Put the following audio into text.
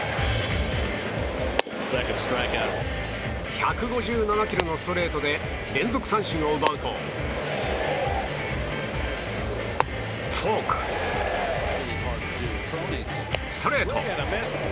１５７キロのストレートで連続三振を奪うとフォーク、ストレート！